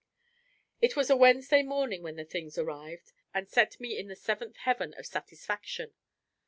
It was a Wednesday morning when the things arrived, and set me in the seventh heaven of satisfaction.